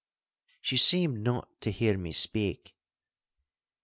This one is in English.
She seemed not to hear me speak.